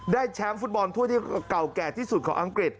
แชมป์ฟุตบอลถ้วยที่เก่าแก่ที่สุดของอังกฤษ